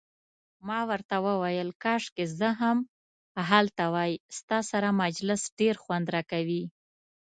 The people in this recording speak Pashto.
ما ورته وویل: کاشکي زه هم هلته وای، ستا سره مجلس ډیر خوند راکوي.